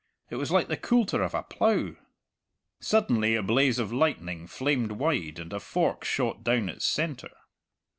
It was like the coulter of a plough." Suddenly a blaze of lightning flamed wide, and a fork shot down its centre.